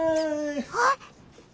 あっ！